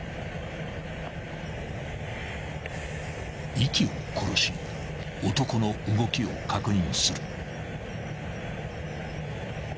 ［息を殺し男の動きを確認する］